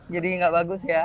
jadi tidak bagus ya